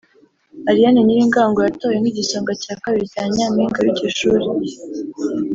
Ariane Nyirangango yatowe nk’igisonga cya kabiri cya nyampinga w'iryo shuri